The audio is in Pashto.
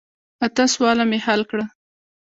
اته سواله مې حل کړه.